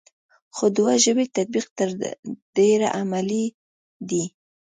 خو دوه ژبې تطبیق تر ډېره عملي دی ا